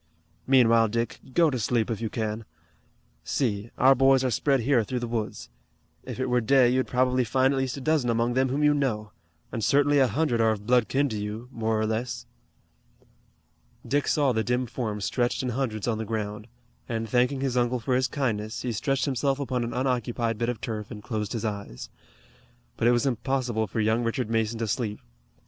Meanwhile, Dick, go to sleep if you can. See, our boys are spread here through the woods. If it were day you'd probably find at least a dozen among them whom you know, and certainly a hundred are of blood kin to you, more or less." Dick saw the dim forms stretched in hundreds on the ground, and, thanking his uncle for his kindness, he stretched himself upon an unoccupied bit of turf and closed his eyes. But it was impossible for young Richard Mason to sleep.